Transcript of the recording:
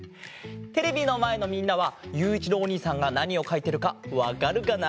テレビのまえのみんなはゆういちろうおにいさんがなにをかいてるかわかるかな？